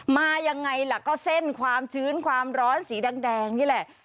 มายังไงล่ะก็เส้นความชื้นความร้อนสีแดงนี่แหละ